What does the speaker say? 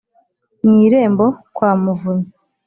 mu irembo kwa muvunyi